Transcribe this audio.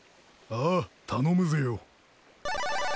ああ頼むぜよ。